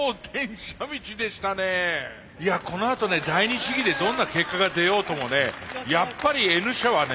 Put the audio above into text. このあとね第二試技でどんな結果が出ようともねやっぱりＮ社はね